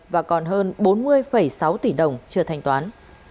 và còn hơn bốn mươi sáu tỷ đồng chưa thanh toán